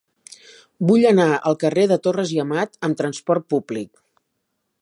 Vull anar al carrer de Torres i Amat amb trasport públic.